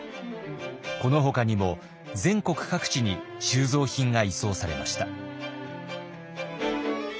このほかにも全国各地に収蔵品が移送されました。